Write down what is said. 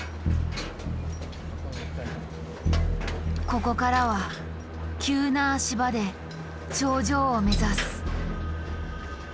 ここからは急な足場で頂上を目指す。